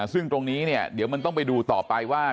ซึ่งตรงนี้เนี่ยเดี๋ยวมันต้องไปดูต่อไปว่า